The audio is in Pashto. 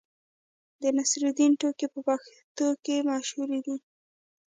د نصرالدین ټوکې په پښتنو کې مشهورې دي.